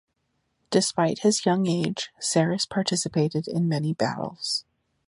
Despite his young age, Sarris participated in many battles.